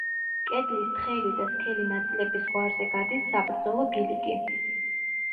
კედლის თხელი და სქელი ნაწილების ზღვარზე გადის საბრძოლო ბილიკი.